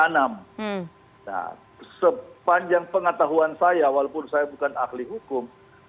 nah sepanjang pengetahuan saya walaupun saya bukan ahli hukum